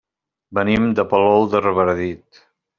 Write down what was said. Venim de Palol de Revardit.